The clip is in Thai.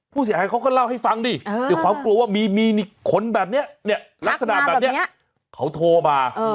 ผู้เสียหายเขาก็เล่าให้ฟังดิด้วยความกลัวว่ามีคนแบบนี้ลักษณะแบบนี้เขาโทรมา